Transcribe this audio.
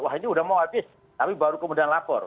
wah ini sudah mau habis tapi baru kemudian lapor